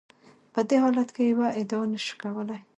په دې حالت کې یوه ادعا نشو کولای.